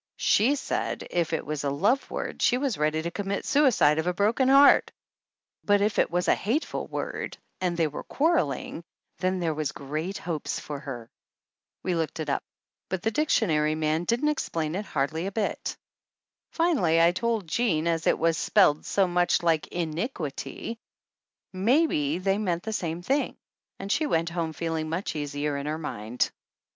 She said if it was a love word she was ready to commit suicide of a broken heart, but if it was a hateful word and they were quarreling, then there was great hopes for her. We looked it up, but the dictionary man didn't explain it hardly a bit. Finally I told Jean as it was spelled so much like In i qui ty maybe they meant the same thing, and she went home feeling much easier in her mind.